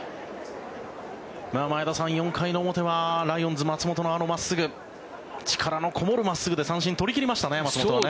前田さん、４回の表はライオンズ、松本のあの真っすぐ力のこもる真っすぐで三振を取り切りましたね。